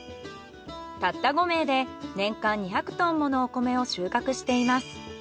たった５名で年間２００トンものお米を収穫しています。